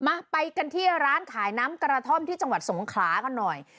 มาไปกันที่ร้านขายน้ำกระท่อมที่จังหวัดสงขลากันหน่อย